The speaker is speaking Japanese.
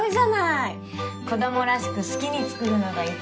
子供らしく好きに作るのが一番。